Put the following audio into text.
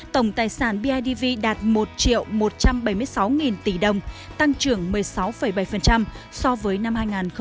tổng tài sản bidv đạt một một trăm bảy mươi sáu tỷ đồng tăng trưởng một mươi sáu bảy so với năm hai nghìn một mươi bảy